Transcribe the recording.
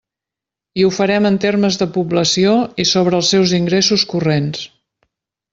I ho farem en termes de població i sobre els seus ingressos corrents.